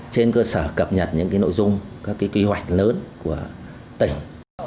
trên cơ sở cập nhật những nội dung các quy hoạch lớn của tỉnh